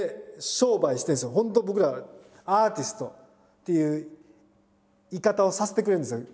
本当僕らアーティストっていうさせてくれるんですよ